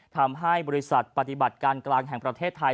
ทำให้บริษัทปฏิบัติการกลางแห่งประเทศไทย